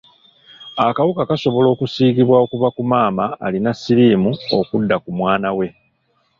Akawuka kasobola okusiigibwa okuva ku maama alina siriimu okudda ku mwana we.